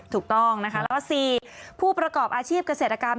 ถูกต้องนะคะแล้วก็๔ผู้ประกอบอาชีพเกษตรกรรม